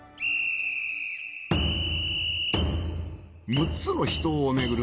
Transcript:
６つの秘湯を巡る